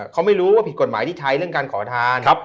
เขาไม่รู้ว่าผิดกฎหมายที่ใช้เรื่องการขอทาน